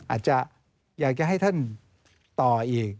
อาจจะอยากจะให้ท่านต่ออีก